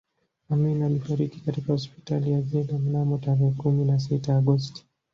Amin alifariki katika hospitali ya Jeddah mnamo tarehe kumi na sita Agosti